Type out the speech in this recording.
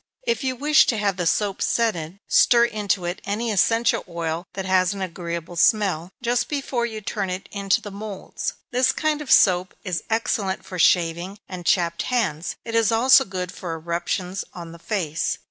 If you wish to have the soap scented, stir into it any essential oil that has an agreeable smell, just before you turn it into the moulds. This kind of soap is excellent for shaving, and chapped hands it is also good for eruptions on the face.